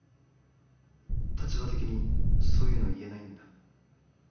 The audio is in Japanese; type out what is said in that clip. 立場的にそういうの言えないんだ。